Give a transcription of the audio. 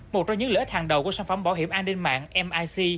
một trong những lợi ích hàng đầu của sản phẩm bảo hiểm an ninh mạng mic